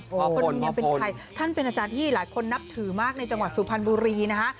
คนหนึ่งยังเป็นใครท่านเป็นอาจารย์ที่หลายคนนับถือมากในจังหวัดสุพรรณบุรีนะฮะ